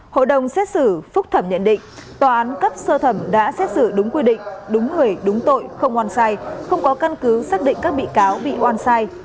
hội đồng xét xử phúc thẩm nhận định tòa án cấp sơ thẩm đã xét xử đúng quy định đúng người đúng tội không oan sai không có căn cứ xác định các bị cáo bị oan sai